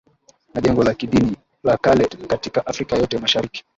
Ni jengo la kidini la kale katika Afrika yote Mashariki